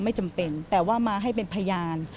ไม่จำเป็นแต่ว่ามาให้เป็นพยาน